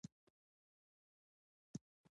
دایمیرداد ولسوالۍ غرنۍ ده؟